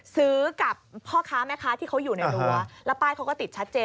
ซื้อกับพ่อค้าแม่ค้าที่เขาอยู่ในรั้วแล้วป้ายเขาก็ติดชัดเจน